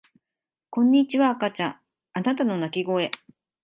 こんにちは赤ちゃんあなたの泣き声